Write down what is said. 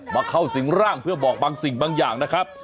เข้าสิงร่างเพื่อบอกบางสิ่งบางอย่างนะครับ